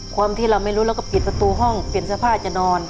ความที่เราไม่รู้เราก็ปิดประตูห้องเปลี่ยนเสื้อผ้าจะนอน